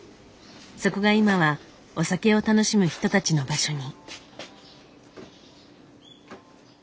そこが今はお酒を楽しむ人たちの場所に。